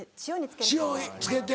塩つけて。